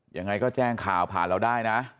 ยังไงก็แจ้งข่าวผ่านเราได้นะ